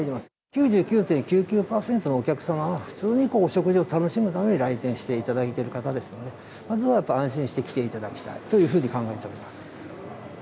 ９９．９９％のお客様は、普通にお食事を楽しむために来店していただいている方ですので、まずはやっぱり安心して来ていただきたいというふうに考えております。